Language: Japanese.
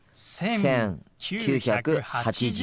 １９８０。